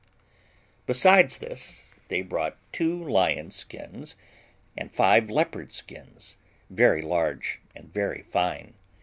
Besides this, they brought two lions' skins, and five leopards' skins, very large and very fine.